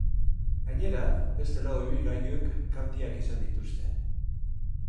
Gainera, beste lau ibilgailuk kalteak izan dituzte.